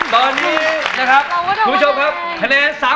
ตอนนี้นะครับคุณผู้ชมครับ